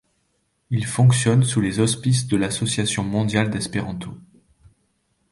Il fonctionne sous les auspices de l'association mondiale d'espéranto.